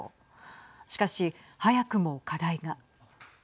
しかし、早くも課題が。